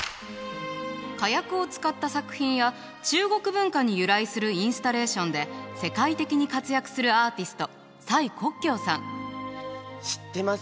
火薬を使った作品や中国文化に由来するインスタレーションで世界的に活躍するアーティスト知ってます。